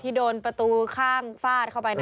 โดนประตูข้างฟาดเข้าไป